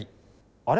あれ？